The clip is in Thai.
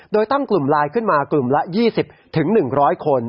โดยตั้งกลุ่มไลน์ขึ้นมากลุ่มละ๒๐๑๐๐คน